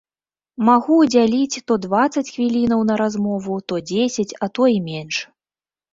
Магу ўдзяліць то дваццаць хвілінаў на размову, то дзесяць, а то і менш.